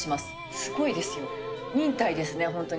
すごいですよ、忍耐ですね、本当に。